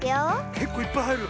けっこういっぱいはいる。